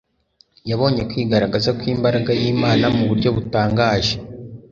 yabonye kwigaragaza kw’imbaraga y’Imana mu buryo butangaje